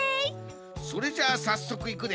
それじゃあさっそくいくで。